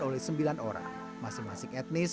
oleh sembilan orang masing masing etnis